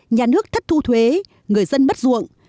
nhà nước thất thu thuế người dân mất ruộng